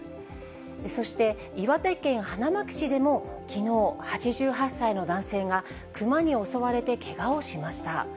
そして岩手県花巻市でも、きのう、８８歳の男性が、クマに襲われてけがをしました。